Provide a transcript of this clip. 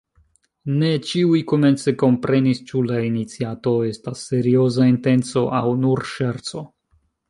Ne ĉiuj komence komprenis, ĉu la iniciato estas serioza intenco aŭ nur ŝerco.